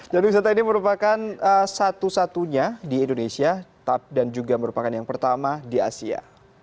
dan wisata ini merupakan satu satunya di indonesia dan juga merupakan yang pertama di asia